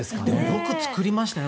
よく作りましたね